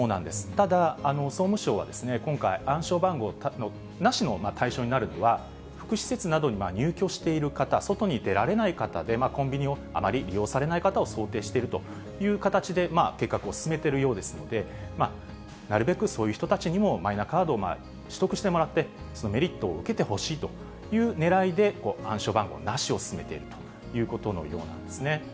ただ、総務省は今回、暗証番号なしの対象になるのは、福祉施設などに入居している方、外に出られない方で、コンビニをあまり利用されない方を想定しているという形で、計画を進めてるようですので、なるべくそういう人たちにもマイナカードを取得してもらって、メリットを受けてほしいというねらいで、暗証番号なしをすすめているということのようなんですね。